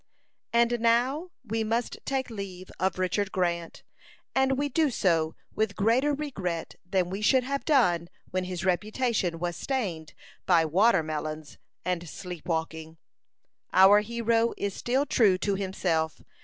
And now we must take leave of Richard Grant; and we do so with greater regret than we should have done when his reputation was stained by "watermelons" and "sleep walking." Our hero is still true to himself.